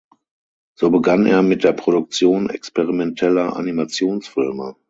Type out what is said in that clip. So begann er mit der Produktion experimenteller Animationsfilme.